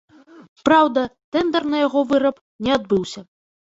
Праўда, тэндар на яго выраб не адбыўся.